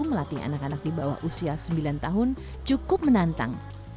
melatih anak anak di bawah usia sembilan tahun cukup menantang